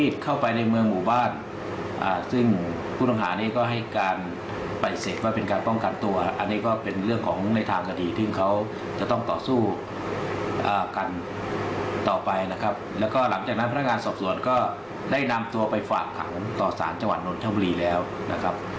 สอบสวนก็ได้นำตัวไปฝากขังต่อสารจังหวัดนนทบุรีแล้วนะครับ